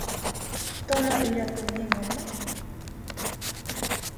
Тана өйрәтеү еңелме?!